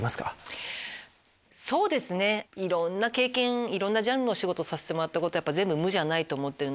いろんな経験いろんなジャンルの仕事させてもらったこと全部無じゃないと思ってるので。